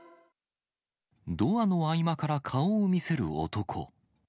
ドアの合間から顔を見せる男。